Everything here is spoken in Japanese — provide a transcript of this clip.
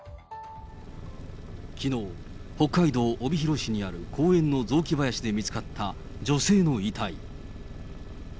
きのう、北海道帯広市にある公園の雑木林で見つかった女性の遺体。